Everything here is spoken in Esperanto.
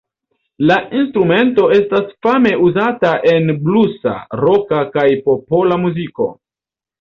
La instrumento estas fame uzata en blusa, roka, kaj popola muziko.